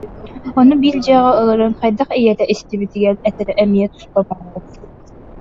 Ону биир дьиэҕэ олорон, хайдах ийэтэ истибэтигэр этэрэ эмиэ туспа моһуок